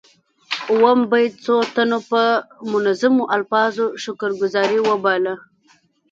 اووم بیت څو تنو په منظومو الفاظو شکر ګذاري وباله.